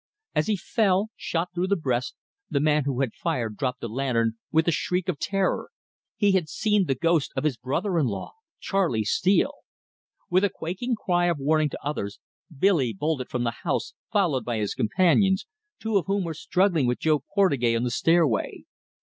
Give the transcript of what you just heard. As he fell, shot through the breast, the man who had fired dropped the lantern with a shriek of terror. He had seen the ghost of his brother in law Charley Steele. With a quaking cry of warning to the others, Billy bolted from the house, followed by his companions, two of whom were struggling with Jo Portugais on the stairway.